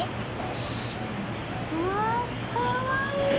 しっ！うわかわいい！